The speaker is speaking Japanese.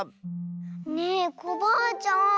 ねえコバアちゃん